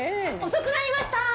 遅くなりましたー！